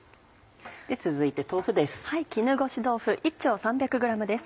続いて豆腐です。